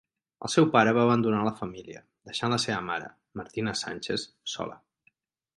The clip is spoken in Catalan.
El seu pare va abandonar la família, deixant la seva mare, Martina Sánchez, sola.